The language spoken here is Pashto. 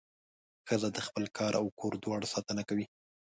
ښځه د خپل کار او کور دواړو ساتنه کوي.